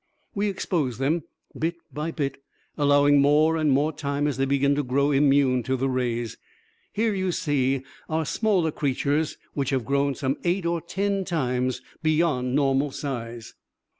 We expose them bit by bit, allowing more and more time as they begin to grow immune to the rays. Here, you see, are smaller creatures which have grown some eight or ten times beyond normal size."